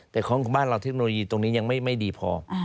แต่ของบ้านเราเทคโนโลยีตรงนี้ยังไม่ดีพอ